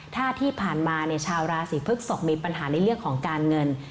ถ้าที่ผ่านมาชาวราศีพฤกษกมีปัญหาในเรื่องของการเงิน